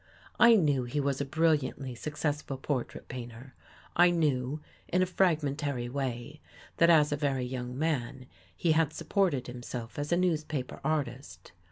I knew he was a brilliantly successful portrait painter; I knew, in a fragmentary way, that as a very young man, he had supported himself as a news paper artist.